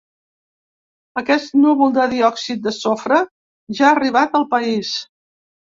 Aquest núvol de diòxid de sofre ja ha arribat al país.